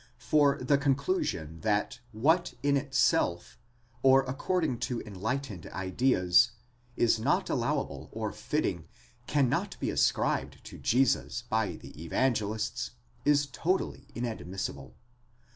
For the conclusion, that what in itself, or according to enlightened ideas, is not allowable or fitting, cannot be ascribed to Jesus by the Evangelists, is totally inadmissible.